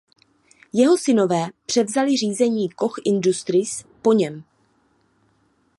Jeho synové převzali řízení Koch Industries po něm.